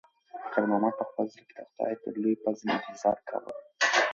خیر محمد په خپل زړه کې د خدای د لوی فضل انتظار کاوه.